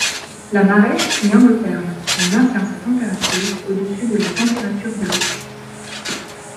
La maraîche est endotherme, elle maintient sa température au-dessus de la température de l'eau.